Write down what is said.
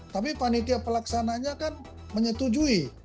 tapi panitia pelaksananya kan menyetujui